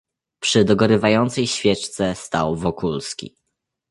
"Przy dogorywającej świeczce stał Wokulski."